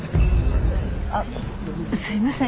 あっすいません